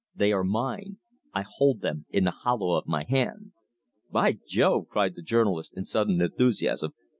They are mine. I hold them in the hollow of my hand!" "By Jove!" cried the journalist in sudden enthusiasm.